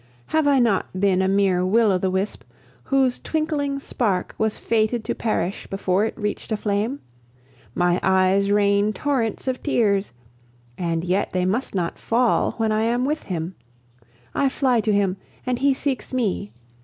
have I not been a mere will o' the wisp, whose twinkling spark was fated to perish before it reached a flame? My eyes rain torrents of tears and yet they must not fall when I am with him. I fly to him, and he seeks me.